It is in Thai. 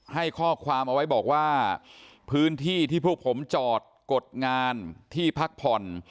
ให้ข้อความเอาไว้บอกว่าพื้นที่ที่พวกผมจอดกดงานที่พักผ่อน